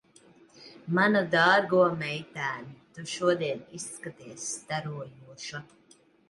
Manu dārgo meitēn, tu šodien izskaties starojoša.